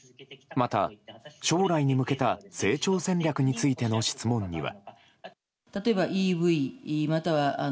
また、将来に向けた成長戦略についての質問には。